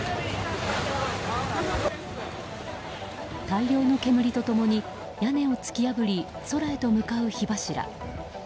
大量の煙と共に屋根を突き破り空へと向かう火柱。